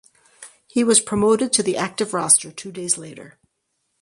He was promoted to the active roster two days later.